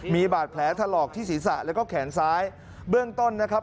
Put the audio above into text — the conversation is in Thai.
มีบาดแผลถลอกที่ศีรษะแล้วก็แขนซ้ายเบื้องต้นนะครับ